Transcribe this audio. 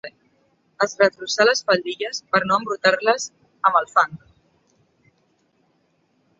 Es retrossà les faldilles per no embrutar-les amb el fang.